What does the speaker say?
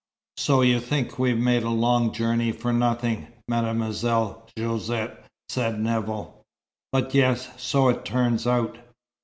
"So you think we've made a long journey for nothing, Mademoiselle Josette?" said Nevill. "But yes. So it turns out."